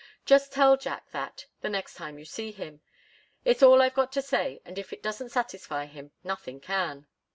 Just tell Jack that, the next time you see him. It's all I've got to say, and if it doesn't satisfy him nothing can."